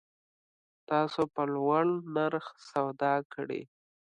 تاسو په لوړ نرخ سودا کړی